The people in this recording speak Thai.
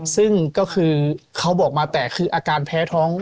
ซึ่งก็คือเขาบอกมาแต่คืออาการแพ้ท้อง